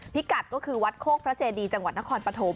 กัดก็คือวัดโคกพระเจดีจังหวัดนครปฐม